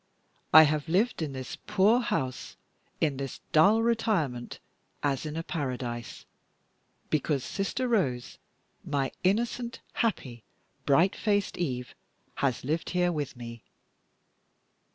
I have lived in this poor house, in this dull retirement, as in a paradise, because Sister Rose my innocent, happy, bright faced Eve has lived here with me.